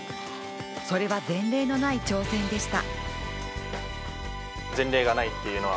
それは前例のない挑戦でした。